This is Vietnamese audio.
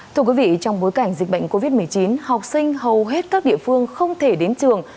thưa quý vị trong bối cảnh dịch bệnh covid một mươi chín học sinh hầu hết các địa phương không thể đến trường